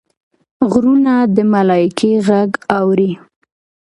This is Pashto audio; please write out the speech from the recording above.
غوږونه د ملایکې غږ اوري